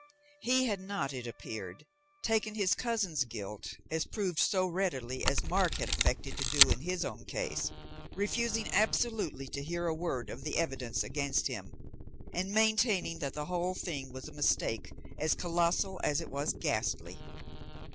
He had not, it appeared, taken his cousin's guilt as proved so readily as Mark had affected to do in his own case, refusing absolutely to hear a word of the evidence against him, and maintaining that the whole thing was a mistake as colossal as it was ghastly.